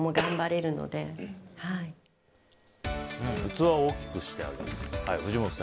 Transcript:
器を大きくしてあげる。